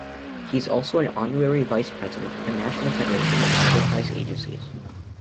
He is also an honorary Vice-president of the National Federation of Enterprise Agencies.